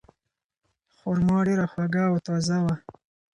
خورما ډیره خوږه او تازه وه.